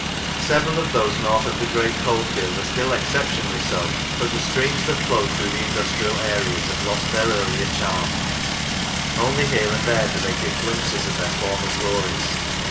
Several of those north of the great coalfield are still exceptionally so; but the streams that flow through the industrial areas have lost their earlier charm; only here and there do they give glimpses of their former glories.